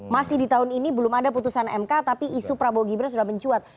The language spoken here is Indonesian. masih di tahun ini belum ada putusan mk tapi isu prabowo gibran sudah mencuat